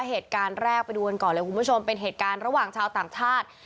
เหตุการณ์แรกไปดูกันก่อนเลยคุณผู้ชมเป็นเหตุการณ์ระหว่างชาวต่างชาติ